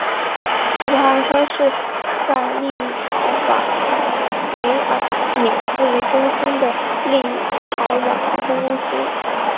琥珀航空是在立陶宛维尔纽斯为中心的立陶宛航空公司。